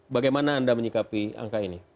bagaimana anda menyikapi angka ini